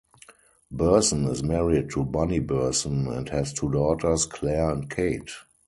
Burson is married to Bunny Burson and has two daughters, Clare and Kate.